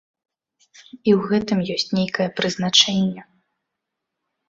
І ў гэтым ёсць нейкае прызначэнне.